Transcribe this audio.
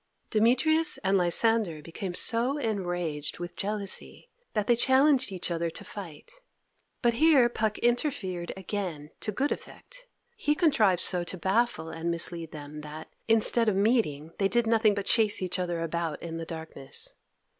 Demetrius and Lysander became so enraged with jealousy that they challenged each other to fight, but here Puck interfered again to good effect. He contrived so to baffle and mislead them that, instead of meeting, they did nothing but chase each other about in the darkness.